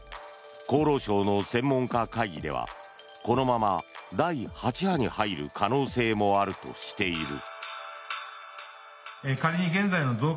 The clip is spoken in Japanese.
厚労省の専門家会議ではこのまま第８波に入る可能性もあるとしている。